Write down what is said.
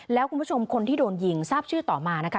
แล้วคุณผู้ชมคนที่โดนยิงทราบชื่อต่อมานะคะ